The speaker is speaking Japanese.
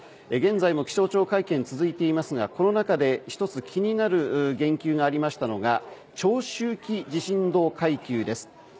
現在も気象庁会見は続いていますがこの中で１つ気になる言及がありましたのが長周期地震動階級です。